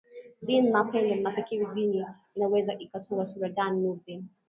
din na pendo mnafikiri guinea inaweza ikatoa sura gani nurdin